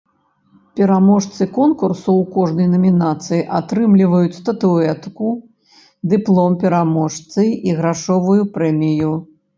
Пераможцы конкурсу ў кожнай намінацыі атрымліваюць статуэтку, дыплом пераможцы і грашовую прэмію.